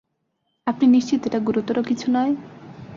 আপনি নিশ্চিত এটা গুরুতর কিছু নয়?